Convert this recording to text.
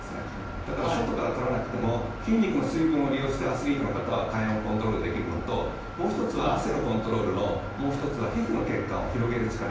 だから、外から取らなくても筋肉の水分を利用して体温をコントロールできるのともう１つは汗のコントロールの皮膚の血管を広げる力。